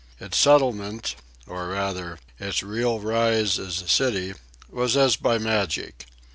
Its settlement, or, rather, its real rise as a city, was as by magic.